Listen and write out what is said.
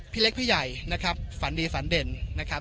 พี่เล็กพี่ใหญ่นะครับฝันดีฝันเด่นนะครับ